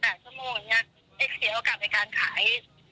๖๗แปดชั่วโมงอย่างเงี้ยเอาละกลับไปการขาย